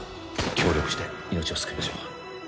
協力して命を救いましょう